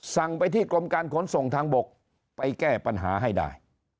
สั่งไปที่กรมการขนส่งทางบกไปแก้ปัญหาให้ได้